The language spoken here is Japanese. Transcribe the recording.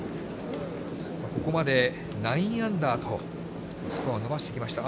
ここまで９アンダーと、スコア伸ばしてきました。